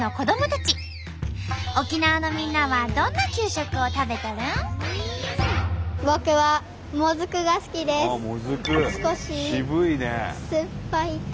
沖縄のみんなはどんな給食を食べとるん？